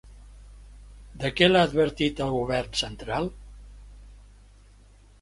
De què l'ha advertit el Govern central?